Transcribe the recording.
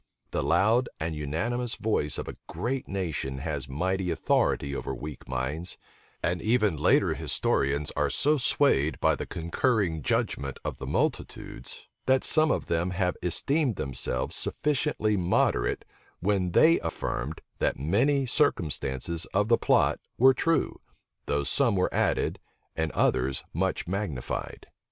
The loud and unanimous voice of a great nation has mighty authority over weak minds; and even later historians are so swayed by the concurring judgment of such multitudes, that some of them have esteemed themselves sufficiently moderate, when they affirmed, that many circumstances of the plot were true, though some were added, and others much magnified.